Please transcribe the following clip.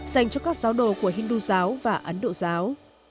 dành cho các giáo đồ của hindu giáo và ấn độ giáo